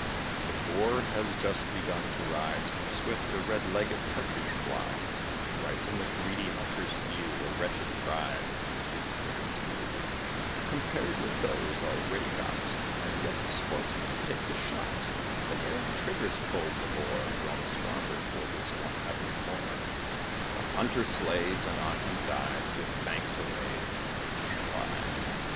The Boar has just begun to rise, When, swift, a red legged partridge flies Right in the greedy Hunter's view, A wretched prize, 'tis very true, Compared with those already got: And yet the sportsman takes a shot; But ere the trigger's pulled, the Boar, Grown strong for just one effort more, The Hunter slays, and on him dies: With thanks, away the partridge flies.